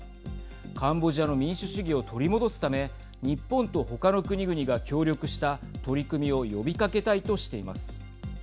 カンボジアの民主主義を取り戻すため日本と他の国々が協力した取り組みを呼びかけたいとしています。